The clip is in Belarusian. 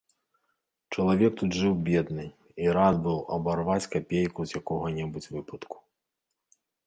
Чалавек тут жыў бедны і рад быў абарваць капейку з якога-небудзь выпадку.